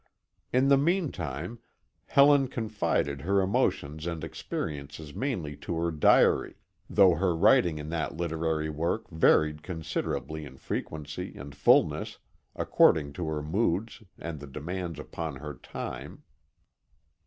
In the mean time, Helen confided her emotions and experiences mainly to her diary, though her writing in that literary work varied considerably in frequency and fulness according to her moods and the demands upon her time.